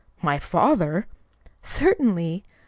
"My father!" "Certainly."